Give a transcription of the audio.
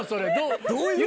どういう？